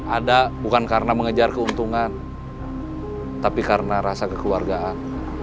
ada bukan karena mengejar keuntungan tapi karena rasa kekeluargaan